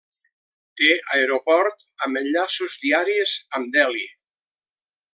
Té aeroport, amb enllaços diaris amb Delhi.